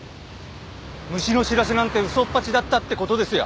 虫の知らせなんて嘘っぱちだったって事ですよ。